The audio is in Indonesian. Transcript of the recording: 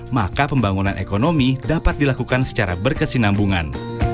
maka pembangunan ekonomi dapat dilakukan secara berkesinambungan